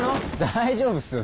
大丈夫っすよ